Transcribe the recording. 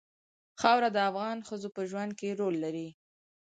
خاوره د افغان ښځو په ژوند کې رول لري.